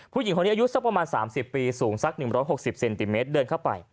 ผู้หญิงคนนี้อายุสักประมาณ๓๐ปีสูงสัก๑๖๐เซนติเมตรเดินเข้าไป